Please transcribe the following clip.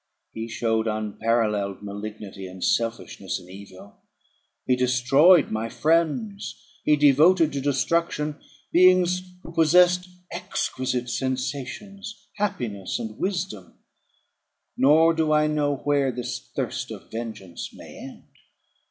He showed unparalleled malignity and selfishness, in evil: he destroyed my friends; he devoted to destruction beings who possessed exquisite sensations, happiness, and wisdom; nor do I know where this thirst for vengeance may end.